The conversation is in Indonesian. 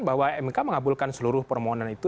bahwa mk mengabulkan seluruh permohonan itu